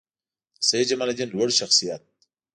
د سیدجمالدین لوړ شخصیت